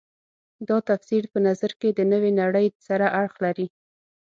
دا تفسیر په نظر کې د نوې نړۍ سره اړخ لري.